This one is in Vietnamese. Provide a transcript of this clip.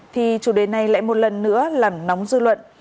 thì chủ đề này lại một lần nữa làm nóng dư luận